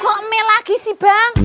kok mel lagi sih bang